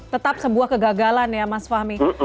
tetap sebuah kegagalan ya mas fahmi